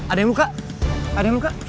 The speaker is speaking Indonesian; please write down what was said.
ada yang buka